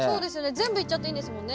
全部いっちゃっていいんですもんね